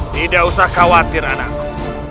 tidak usah khawatir anakku